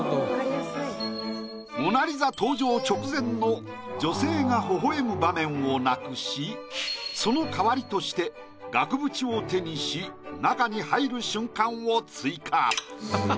モナ・リザ登場直前の女性がほほ笑む場面をなくしその代わりとして額縁を手にし中に入る瞬間を追加。